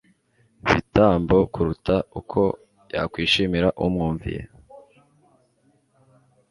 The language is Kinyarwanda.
bitambo kuruta uko yakwishimira umwumviye?